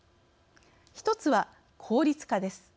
一つは効率化です。